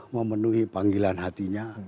memenuhi panggilan hatinya